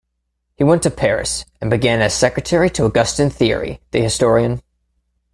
He went to Paris and began as secretary to Augustin Thierry, the historian.